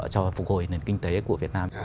cho phục hồi nền kinh tế của việt nam